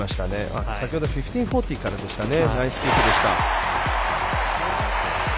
先ほど１５−４０からでしたね。